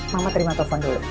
mama terima telepon dulu